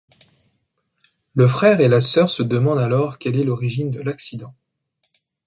Le frère et la sœur se demandent alors quelle est l'origine de l'accident.